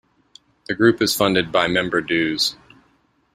The group is funded by member dues.